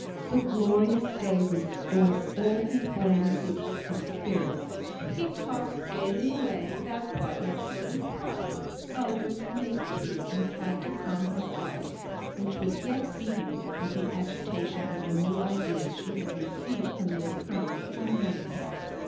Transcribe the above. The glorious day restored all his buoyancy of spirits. He talked gaily away, without pausing for a reply; while Ruth made tea, and tried to calm her heart, which was yet beating with the agitation of the new ideas she had received from the occurrence of the morning.